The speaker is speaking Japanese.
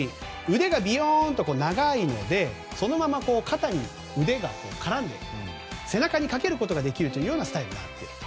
腕がびよーんと長いのでそのまま肩に腕が絡んで背中にかけることができるというスタイルになっていると。